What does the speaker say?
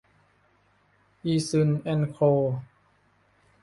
อีซึ่น แอนด์ โค